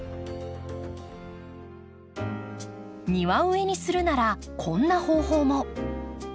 庭植えにするならこんな方法も。